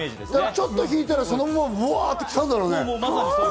ちょっと引いたら、そのままワァっと来たんだろうね。